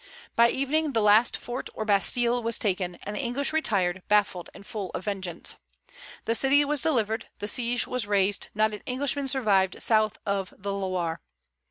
By evening the last fort or bastile was taken, and the English retired, baffled and full of vengeance. The city was delivered. The siege was raised. Not an Englishman survived south of the Loire.